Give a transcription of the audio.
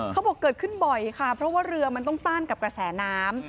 บอกเกิดขึ้นบ่อยค่ะเพราะว่าเรือมันต้องต้านกับกระแสน้ำ